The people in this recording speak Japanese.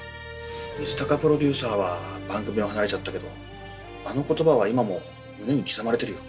水高プロデューサーは番組を離れちゃったけどあの言葉は今も胸に刻まれてるよ。